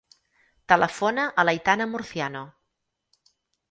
Telefona a l'Aitana Murciano.